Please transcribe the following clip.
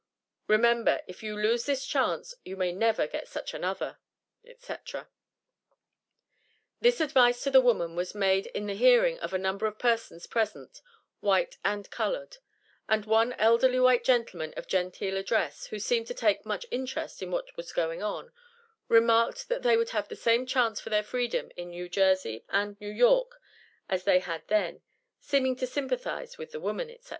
Remember, if you lose this chance you may never get such another," etc. [Illustration: RESCUE OF JANE JOHNSON AND HER CHILDREN.] This advice to the woman was made in the hearing of a number of persons present, white and colored; and one elderly white gentleman of genteel address, who seemed to take much interest in what was going on, remarked that they would have the same chance for their freedom in New Jersey and New York as they then had seeming to sympathize with the woman, etc.